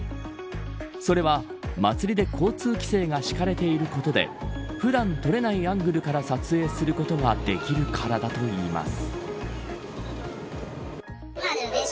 それは、祭りで交通規制が敷かれていることで普段、撮れないアングルから撮影することができるからだといいます。